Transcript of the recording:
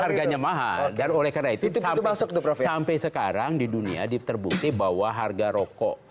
harganya mahal dan oleh karena itu sampai sekarang di dunia terbukti bahwa harga rokok